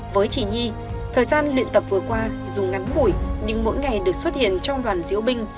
với chị nhi thời gian luyện tập vừa qua dù ngắn ngủi nhưng mỗi ngày được xuất hiện trong đoàn diễu binh